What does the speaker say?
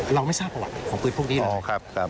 เราไม่ทราบประวัติศาสตร์ของพื้นพวกนี้เลยอ๋อครับครับ